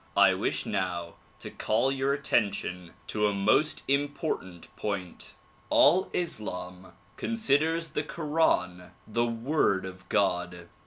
I wish now to call your attention to a most important point. All Islam considers the koran the Word of God.